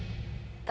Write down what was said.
誰？